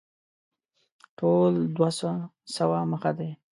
ټول دوه سوه مخه دی.